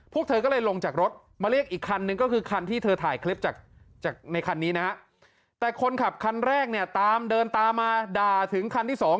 พวกเธอก็เลยลงจากรถมาเรียกคันนึงคือคันที่เธอถ่ายคลิปจาก